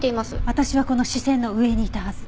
私はこの視線の上にいたはず。